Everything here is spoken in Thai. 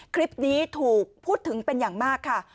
คลิปนี้ถูกพูดถึงเป็นอย่างมากค่ะ